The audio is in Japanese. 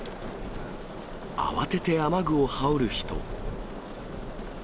慌てて雨具を羽織る人。